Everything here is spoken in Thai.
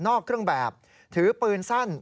ออกเครื่องแบบถือปืนสั้น